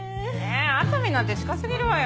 えっ熱海なんて近すぎるわよ。